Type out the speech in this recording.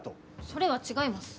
それは違います。